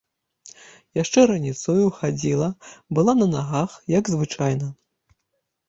Яшчэ раніцою хадзіла, была на нагах, як звычайна.